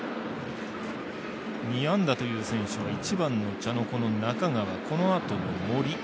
２安打という選手は１番の茶野、そして中川このあとの森。